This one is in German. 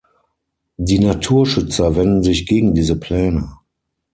Die Naturschützer wenden sich gegen diese Pläne.